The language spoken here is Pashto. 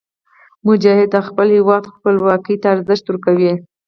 مجاهد د خپل هېواد خپلواکۍ ته ارزښت ورکوي.